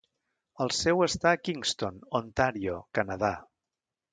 El seu està a Kingston, Ontario, Canadà.